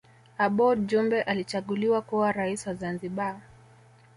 abooud jumbe alichaguliwa kuwa rais wa zanzibar